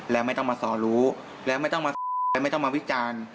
และไม่ต้องมาส่อรู้และไม่ต้องมาและไม่ต้องมาวิจารณ์